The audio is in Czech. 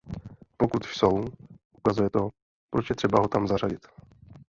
Pokud jsou, ukazuje to, proč je třeba ho tam zařadit.